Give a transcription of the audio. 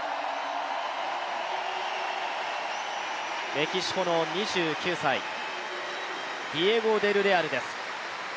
メキシコの２９歳、ディエゴ・デルレアルです。